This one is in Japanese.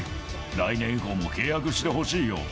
来年以降も契約してほしいよ。